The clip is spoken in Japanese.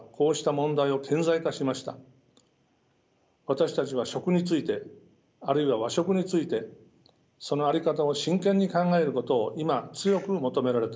私たちは食についてあるいは和食についてその在り方を真剣に考えることを今強く求められています。